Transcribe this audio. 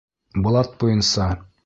Блат буйынса!